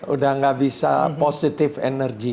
udah nggak bisa positif energy